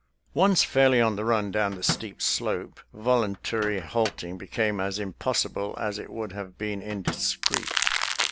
Once fairly on the run down the steep slope, voluntary halting became as impossible as it would have been indiscreet.